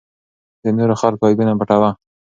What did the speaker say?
د نورو خلکو عیبونه پټوه.